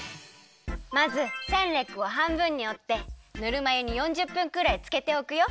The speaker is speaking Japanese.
まずセンレックをはんぶんにおってぬるま湯に４０分くらいつけておくよ。